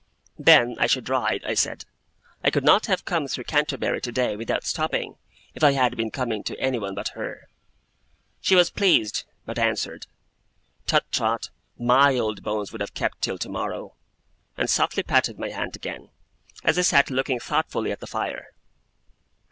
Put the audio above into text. Then, I should ride, I said. I could not have come through Canterbury today without stopping, if I had been coming to anyone but her. She was pleased, but answered, 'Tut, Trot; MY old bones would have kept till tomorrow!' and softly patted my hand again, as I sat looking thoughtfully at the fire.